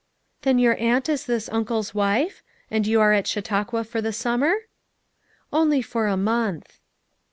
"Then your aunt is this uncle's wife? And you are at Chautauqua for the summer?" "Only for a month."